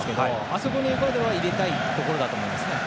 あそこに入れたいところだと思います。